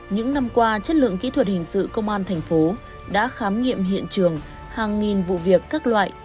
những năm qua chất lượng kỹ thuật hình sự công an thành phố đã khám nghiệm hiện trường hàng nghìn vụ việc các loại